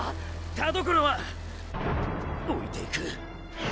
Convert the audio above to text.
田所は置いていく！